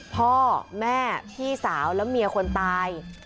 พ่อแม่พี่สาวและเมียคนตาย